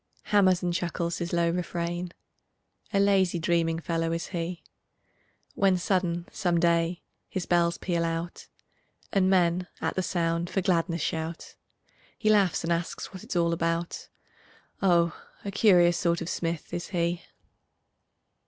Hammers and chuckles his low refrain, A lazy, dreaming fellow is he: When sudden, some day, his bells peal out, And men, at the sound, for gladness shout; He laughs and asks what it's all about; Oh, a curious sort of smith is he.